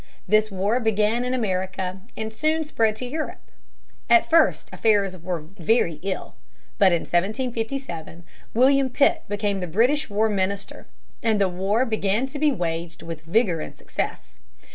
This war began in America and soon spread to Europe. At first affairs went very ill. But in 1757 William Pitt became the British war minister, and the war began to be waged with vigor and success.